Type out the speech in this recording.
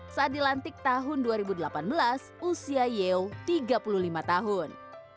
saat dilantik tahun dua ribu delapan belas usia yeo tiga puluh lima tahun